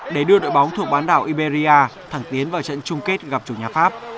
để đưa đội bóng thuộc bán đảo iberia thẳng tiến vào trận chung kết gặp chủ nhà pháp